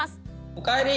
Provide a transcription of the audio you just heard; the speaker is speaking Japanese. おかえり！